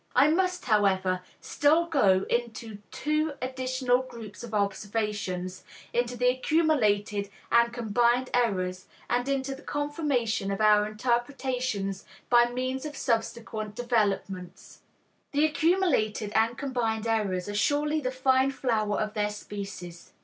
I must, however, still go into two additional groups of observations, into the accumulated and combined errors and into the confirmation of our interpretations by means of subsequent developments. The accumulated and combined errors are surely the fine flower of their species.